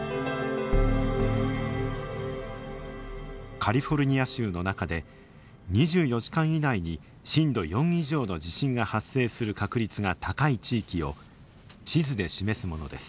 カリフォルニア州の中で２４時間以内に震度４以上の地震が発生する確率が高い地域を地図で示すものです。